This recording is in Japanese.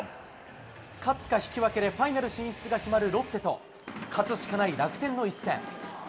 勝つか引き分けでファイナル進出が決まるロッテと勝つしかない楽天の一戦。